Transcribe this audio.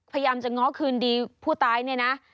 พยายามจะง้อคืนดีผู้ตายเนี่ยนะ